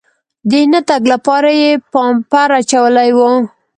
د نه تګ لپاره یې پامپر اچولی و.